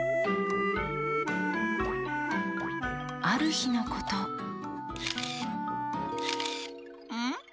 あるひのことん？